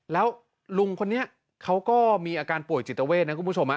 แล้วลุงคนนี้เขาก็มีอาการป่วยจิตเวทนะคุณผู้ชม